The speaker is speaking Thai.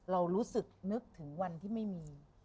เรารู้สึกนึกถึงวันที่ไม่มี